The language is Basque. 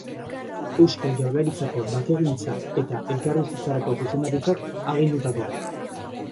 Eusko Jaurlaritzako Bakegintza eta Elkarbizitzarako Zuzendaritzak agindutako.